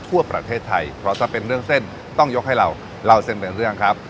ทั่วประเทศไทยเพราะถ้าเป็นเรื่องเส้นต้องยกให้เราเล่าเส้นเป็นเรื่องครับ